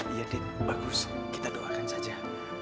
iya dan bagus kita doakan saja